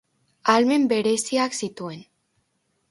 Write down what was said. Ahalmen bereziak zituen.